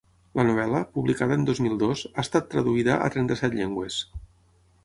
La novel·la, publicada en dos mil dos, ha estat traduïda a trenta-set llengües.